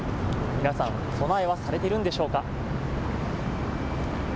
皆さん、備えはされてるんでしょうか。